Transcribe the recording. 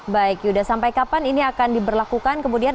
baik sudah sampai kapan ini akan diberlangsung